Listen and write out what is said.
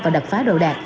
và đập phá đồ đạc